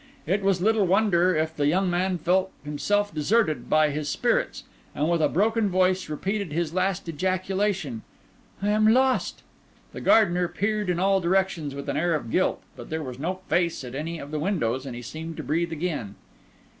It was little wonder if the young man felt himself deserted by his spirits, and with a broken voice repeated his last ejaculation—"I am lost!" The gardener peered in all directions with an air of guilt; but there was no face at any of the windows, and he seemed to breathe again.